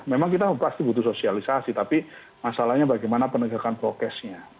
memang kita pasti butuh sosialisasi tapi masalahnya bagaimana penegakan prokesnya